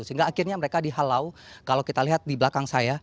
sehingga akhirnya mereka dihalau kalau kita lihat di belakang saya